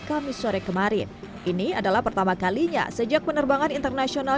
kami sore kemarin ini adalah pertama kalinya sejak penerbangan internasional